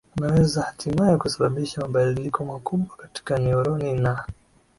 unaweza hatimaye kusababisha mabadiliko makubwa katika neuroni na